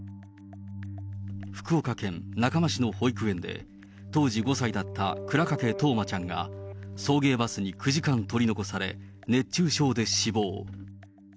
福岡県中間市の保育園で、当時５歳だった倉掛冬生ちゃんが送迎バスに９時間取り残され、熱中症で死亡。